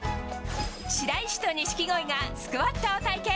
白石と錦鯉がスクワットを体験。